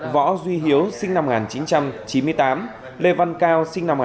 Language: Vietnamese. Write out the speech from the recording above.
võ duy hiếu sinh năm một nghìn chín trăm chín mươi tám lê văn cao sinh năm một nghìn chín trăm tám